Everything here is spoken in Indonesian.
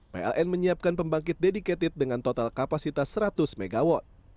pln menyiapkan pembangkit dedicated dengan total kapasitas seratus mw